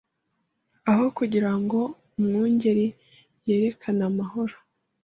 Aho kugira ngo umwungeri yerekane amahoro